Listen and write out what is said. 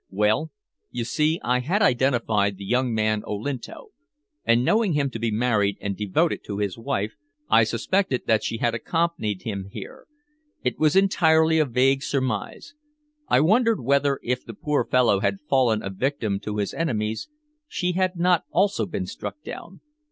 "Well, you see, I had identified the young man Olinto, and knowing him to be married and devoted to his wife, I suspected that she had accompanied him here. It was entirely a vague surmise. I wondered whether, if the poor fellow had fallen a victim to his enemies, she had not also been struck down."